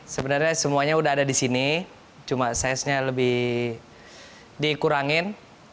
sebenarnya semuanya udah ada di sini cuma size nya lebih dikurangin